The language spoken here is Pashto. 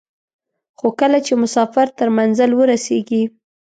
خو کله چې مسافر تر منزل ورسېږي.